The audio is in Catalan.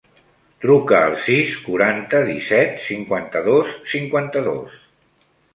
Truca al sis, quaranta, disset, cinquanta-dos, cinquanta-dos.